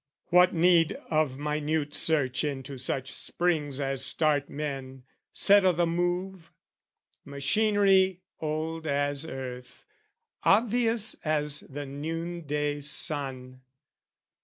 What need of minute search into such springs As start men, set o' the move? machinery Old as earth, obvious as the noonday sun.